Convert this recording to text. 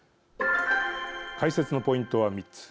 解説のポイントは３つ。